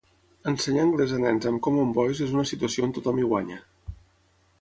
Ensenyar anglès a nens amb Common Voice és una situació on tothom hi guanya.